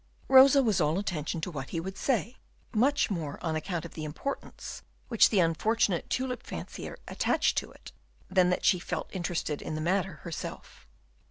Rosa was all attention to what he would say, much more on account of the importance which the unfortunate tulip fancier attached to it, than that she felt interested in the matter herself.